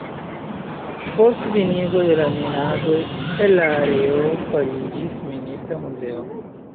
Post finigo de la minado el la areo fariĝis Minista muzeo.